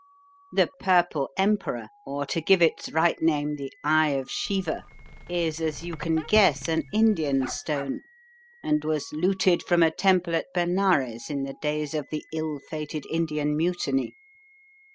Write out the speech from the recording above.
'The Purple Emperor,' or to give its right name, the 'Eye of Shiva,' is, as you can guess, an Indian stone, and was looted from a temple at Benares in the days of the ill fated Indian Mutiny.